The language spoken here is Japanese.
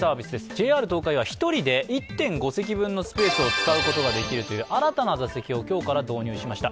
ＪＲ東海は１人で１．５席分のスペースを使うことができるという新たな座席を今日から導入しました。